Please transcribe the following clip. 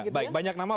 ya baik banyak nama